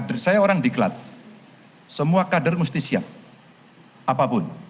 saya orang diklat semua kader mesti siap apapun